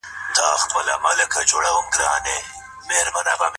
ولي لېواله انسان د لایق کس په پرتله موخي ترلاسه کوي؟